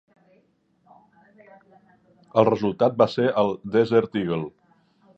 El resultat va ser el Desert Eagle.